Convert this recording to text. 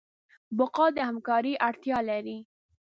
بقا د همکارۍ اړتیا لري.